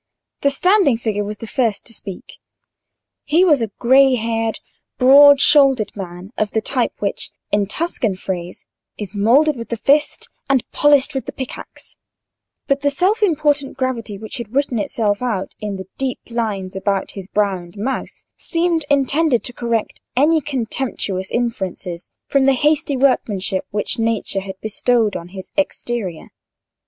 The standing figure was the first to speak. He was a grey haired, broad shouldered man, of the type which, in Tuscan phrase, is moulded with the fist and polished with the pickaxe; but the self important gravity which had written itself out in the deep lines about his brow and mouth seemed intended to correct any contemptuous inferences from the hasty workmanship which Nature had bestowed on his exterior.